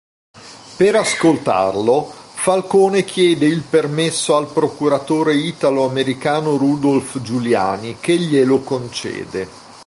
Per ascoltarlo, Falcone chiede il permesso al procuratore italo-americano Rudolph Giuliani che glielo concede.